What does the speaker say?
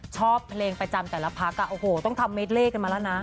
ชอบเพลงประจำแต่ละพักโอ้โหต้องทำเมดเลขกันมาแล้วนะ